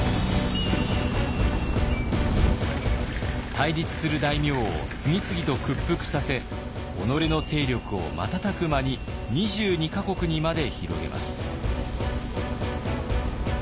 対立する大名を次々と屈服させ己の勢力を瞬く間に２２か国にまで広げます。